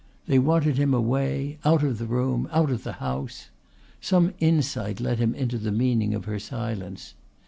They wanted him away, out of the room, out of the house. Some insight let him into the meaning of her silence.